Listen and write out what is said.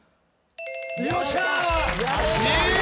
よっしゃー！